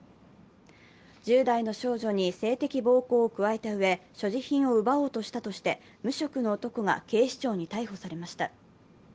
１０代の少女に性的暴行を加えたうえ、所持品を奪おうとしたとして無職の男が警視庁に逮捕されました。